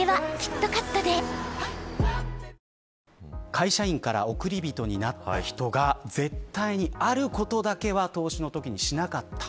会社員から億り人になった人が絶対に、あることだけは投資のときにしなかった。